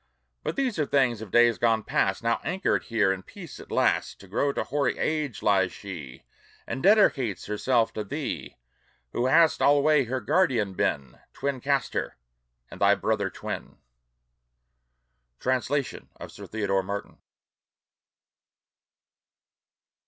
But these are things of days gone past. Now, anchored here in peace at last, To grow to hoary age, lies she, And dedicates herself to thee, Who hast alway her guardian been, Twin Castor, and thy brother twin! Translation of Sir Theodore Martin.